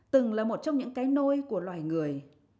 từng là một trong những cái nôi của loài người